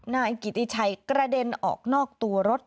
นายกิติชัยกระเด็นออกนอกตัวรถ